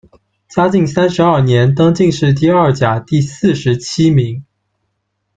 嘉靖三十二年，登进士第二甲第四十七名。